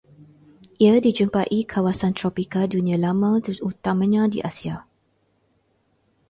Ia dijumpai kawasan tropika Dunia Lama terutamanya di Asia